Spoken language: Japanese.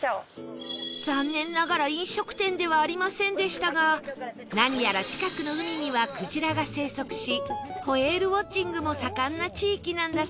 残念ながら飲食店ではありませんでしたが何やら近くの海にはくじらが生息しホエールウォッチングも盛んな地域なんだそう